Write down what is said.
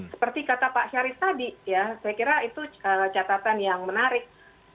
seperti kata pak syarif tadi ya saya kira itu catatan yang menarik